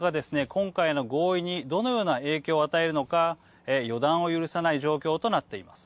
今回の合意にどのような影響を与えるのか予断を許さない状況となっています。